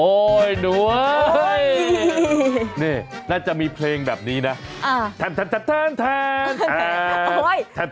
โอ้ยหนูเว้ยน่าจะมีเพลงแบบนี้นะแทนแทน